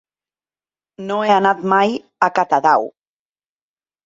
No he anat mai a Catadau.